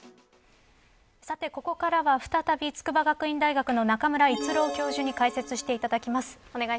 ここからは再び、筑波学院大学の中村逸郎教授に解説していただきます。